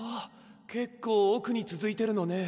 結構奥につづいてるのね